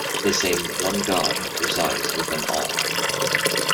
The same "One God resides within all".